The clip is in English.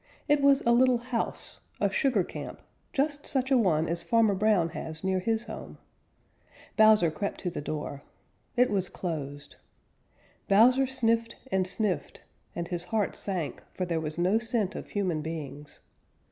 It was a little house, a sugar camp, just such a one as Farmer Brown has near his home. Bowser crept to the door. It was closed. Bowser sniffed and sniffed and his heart sank, for there was no scent of human beings.